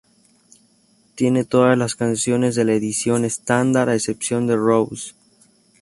Tiene todas las canciones de la edición estándar a excepción de "Roses".